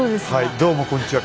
どうもこんにちは。